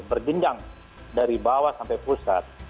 berjenjang dari bawah sampai pusat